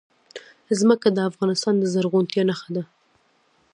ځمکه د افغانستان د زرغونتیا نښه ده.